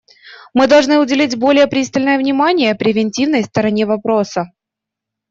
Мы должны уделить более пристальное внимание превентивной стороне вопроса.